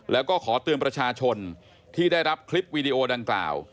แล้วก็ขอเตือนประชาชนที่ได้รับคลิปวีดีโอดังกล่าว